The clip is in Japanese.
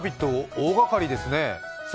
大がかりですね。